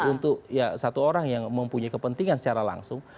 untuk ya satu orang yang mempunyai kepentingan secara langsung